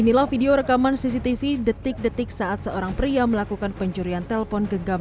inilah video rekaman cctv detik detik saat seorang pria melakukan pencurian telpon genggam